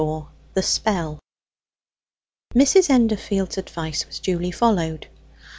THE SPELL Mrs. Endorfield's advice was duly followed.